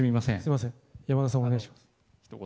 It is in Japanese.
山田さん、お願いします。